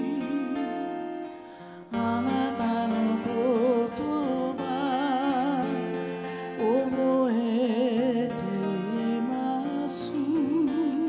「あなたの言葉憶えています」